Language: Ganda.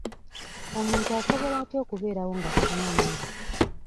Omuntu asobola atya okubeerawo nga talina mmere?